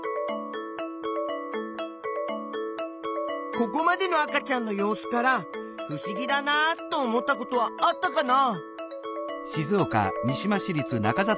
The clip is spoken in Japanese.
ここまでの赤ちゃんの様子からふしぎだなと思ったことはあったかな？